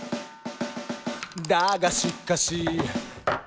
「だがしかし」